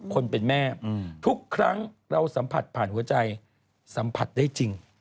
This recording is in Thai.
คนเป็นแม่ทุกครั้งเราสัมผัสผ่านหัวใจสัมผัสได้จริง